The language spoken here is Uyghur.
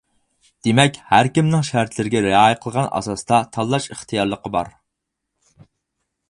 دېمەك، ھەركىمنىڭ شەرتلەرگە رىئايە قىلغان ئاساستا تاللاش ئىختىيارلىقى بار.